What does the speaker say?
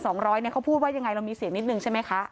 เพราะต่อของเงิน๒๐๐เขาพูดว่ายังไงเรามีเสียงนิดหนึ่งใช่ไหมคะ